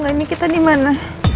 ini kita dimana